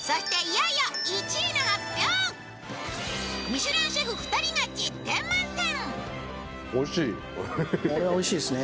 ミシュランシェフ２人が１０点満点！